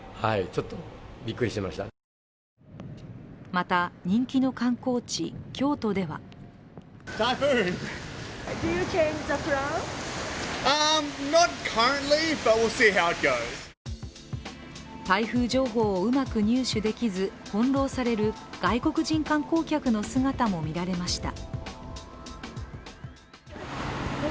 また、人気の観光地・京都では台風情報をうまく入手できず翻弄される外国人観光客の姿もみられました。